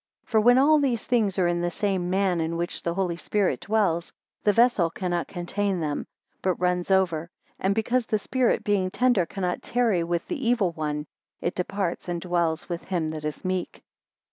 15 For when all these things, are in the same man in which the Holy Spirit dwells, the vessel cannot contain them, but runs over: and because the Spirit being tender cannot tarry with the evil one; it departs and dwells with him that is meek.